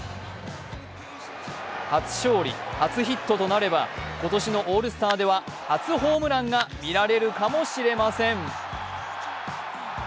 初勝利、初ヒットとなれば今年のオールスターでは初ホームランが見られるかもしれません。